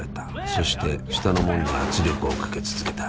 そして下の者に圧力をかけ続けた。